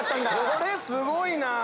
これすごいな。